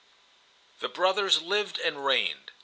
The brothers lived and reigned.